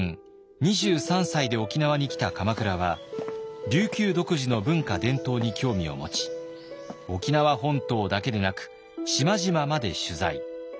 ２３歳で沖縄に来た鎌倉は琉球独自の文化伝統に興味を持ち沖縄本島だけでなく島々まで取材。